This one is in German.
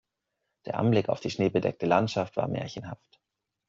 Der Anblick auf die schneebedeckte Landschaft war märchenhaft.